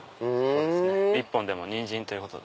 １本でもニンジンということで。